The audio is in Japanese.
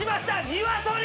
ニワトリ！